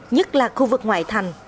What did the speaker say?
nhất là khu vực ngoại thành